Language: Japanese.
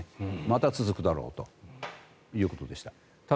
まだ続くだろうということでした。